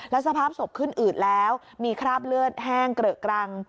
สภาพศพขึ้นอืดแล้วมีคราบเลือดแห้งเกลอะกรัง